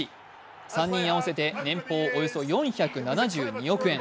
３人合わせて年俸およそ４７２億円。